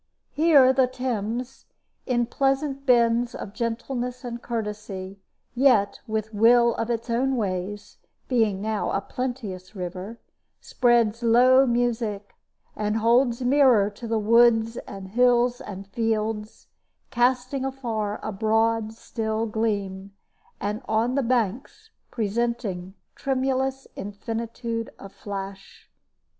Here the Thames, in pleasant bends of gentleness and courtesy, yet with will of its own ways, being now a plenteous river, spreads low music, and holds mirror to the woods and hills and fields, casting afar a broad still gleam, and on the banks presenting tremulous infinitude of flash.